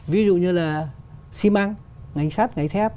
ví dụ như là xi măng ngành sắt ngành thép